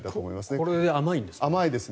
これで甘いんですか？